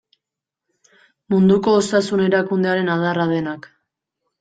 Munduko Osasun Erakundearen adarra denak.